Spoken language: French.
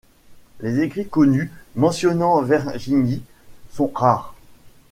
Les écrits connus mentionnant Vergigny sont rares.